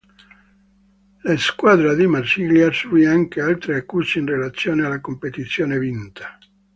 La squadra di Marsiglia subì anche altre accuse in relazione alla competizione vinta.